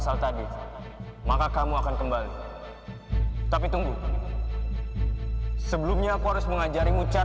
sekarang kamu akan mati bima